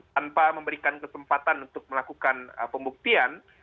tanpa memberikan kesempatan untuk melakukan pembuktian